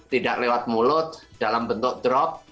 tidak lewat mulut dalam bentuk drop